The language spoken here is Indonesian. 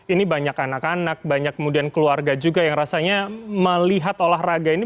ini banyak anak anak banyak kemudian keluarga juga yang rasanya melihat olahraga ini